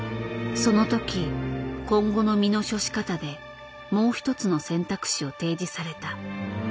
その時今後の身の処し方でもう一つの選択肢を提示された。